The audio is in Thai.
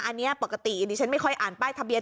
อันเนี้ยปกติอันนี้ฉันไม่ค่อยอ่านป้ายทะเบียน